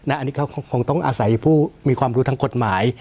อันนี้เขาคงต้องอาศัยผู้มีความรู้ทางกฎหมาย